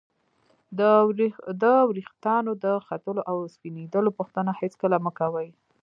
د ورېښتانو د ختلو او سپینېدلو پوښتنه هېڅکله مه کوئ!